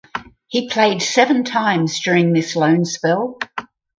He played seven times during this loan spell.